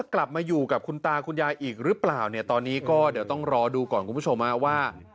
คุณตาคุณยายอีกรึเปล่าเนี่ยตอนนี้ก็เดี๋ยวต้องรอดูก่อนคุณผู้ชมนะว่า